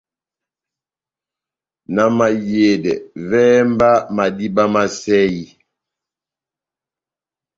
Na mahiyedɛ, vɛ́hɛ mba madíma má sɛyi !